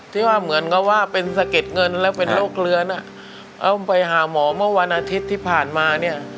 ที่ว่าเหมือนกับว่าเป็นสะเก็ดเงินแล้วเป็นโรคเลื้อนแล้วไปหาหมอเมื่อวันอาทิตย์ที่ผ่านมาเนี่ย